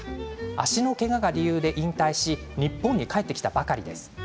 足のけがが理由で引退し日本に帰ってきたばかりです。